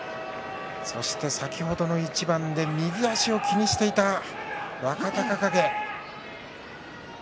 そして、先ほどの一番で右足を気にしていた若隆景。